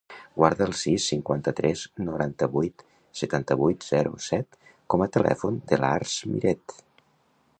Guarda el sis, cinquanta-tres, noranta-vuit, setanta-vuit, zero, set com a telèfon de l'Arç Mirete.